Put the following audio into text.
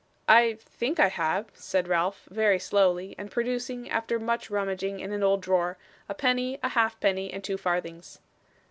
'I think I have,' said Ralph, very slowly, and producing, after much rummaging in an old drawer, a penny, a halfpenny, and two farthings.